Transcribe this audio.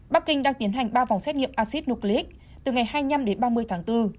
bắc kinh đang tiến hành ba vòng xét nghiệm acid nucleake từ ngày hai mươi năm đến ba mươi tháng bốn